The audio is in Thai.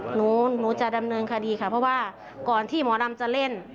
หนูหนูจะดำเนินคดีค่ะเพราะว่าก่อนที่หมอดำจะเล่น